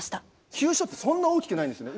急所ってそんな大きくないんですね。